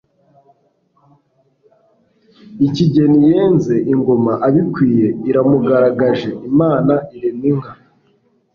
Ikigeni yenze ingoma abikwiye Iramugaragaje Imana irema inka